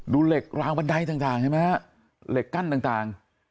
เหล็กราวบันไดต่างใช่ไหมฮะเหล็กกั้นต่าง